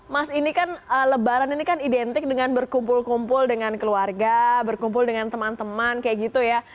mas ini kan lebaran ini kan identik dengan berkumpul kumpul dengan keluarga berkumpul dengan teman teman kayak gitu ya